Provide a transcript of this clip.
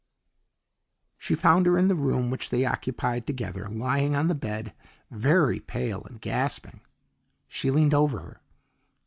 She found her in the room which they occupied together, lying on the bed, very pale and gasping. She leaned over her.